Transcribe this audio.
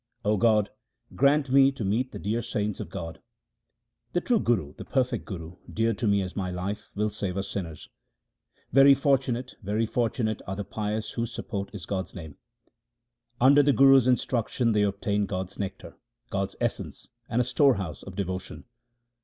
O God, grant me to meet the dear saints of God. The true Guru, the perfect Guru, dear to me as my life, will save us sinners. Very fortunate, very fortunate are the pious whose sup port is God's name. Under the Guru's instruction they obtain God's nectar, God's essence, and a storehouse of devotion.